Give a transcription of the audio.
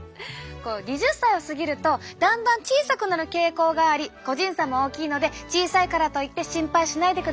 ２０歳を過ぎるとだんだん小さくなる傾向があり個人差も大きいので小さいからといって心配しないでくださいね。